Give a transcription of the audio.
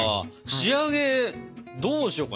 仕上げどうしようかね？